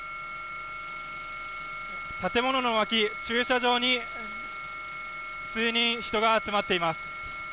建物の脇、駐車場に数人が集まっています。